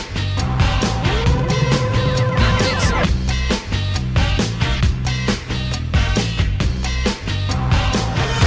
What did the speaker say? โปรดติดตามตอนต่อไป